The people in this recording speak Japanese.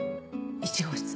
１号室。